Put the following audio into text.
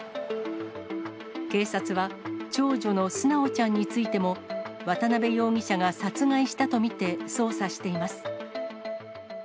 警察は長女の純ちゃんについても渡辺容疑者が殺害したと見て、捜査しています。